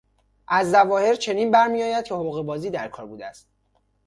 از ظواهر چنین برمیآید که حقه بازی در کار بوده است.